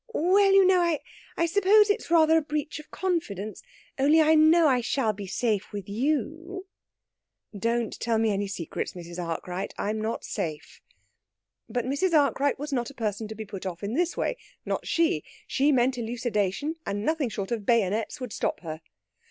"Well, you know ... I suppose it's rather a breach of confidence, only I know I shall be safe with you...." "Don't tell me any secrets, Mrs. Arkwright. I'm not safe." But Mrs. Arkwright was not a person to be put off in this way. Not she! She meant elucidation, and nothing short of bayonets would stop her.